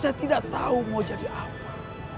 saya tidak tahu mau jadi apa